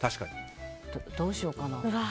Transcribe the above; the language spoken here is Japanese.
どうしようかな。